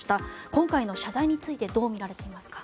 今回の謝罪についてどう見られていますか。